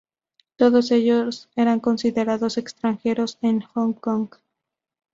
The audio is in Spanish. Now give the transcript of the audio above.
Todos ellos eran considerados extranjeros en Hong Kong.